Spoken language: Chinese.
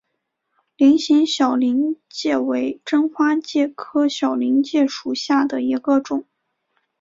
菱形小林介为真花介科小林介属下的一个种。